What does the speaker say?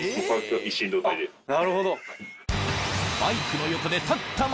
なるほど！